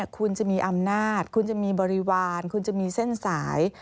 คุณจะมีอำนาจคุณจะมีบริวารคุณจะมีเส้นสาย